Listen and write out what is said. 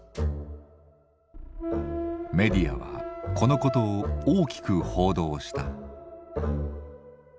メディアはこのことを大きく報道した。